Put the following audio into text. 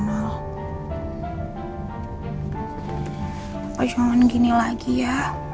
papa jangan gini lagi ya